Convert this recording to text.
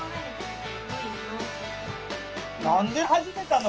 何で始めたの？